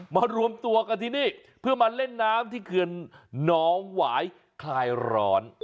มารวมตัวกันที่นี่เพื่อมาเล่นน้ำที่เขื่อนน้องหวายคลายร้อน